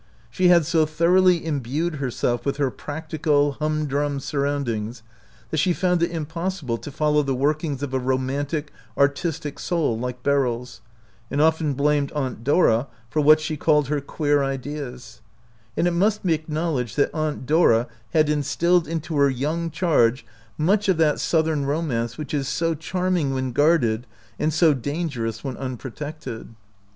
She had so thoroughly im bued herself with her practical, humdrum surroundings that she found it impossible to follow the workings of a romantic, artistic soul like Beryl's, and often blamed Aunt Dora for what she called her queer ideas ; and it must be acknowledged that Aunt Dora had instilled into her young charge » much of that Southern romance which is so charming when guarded and so dangerous when unprotected.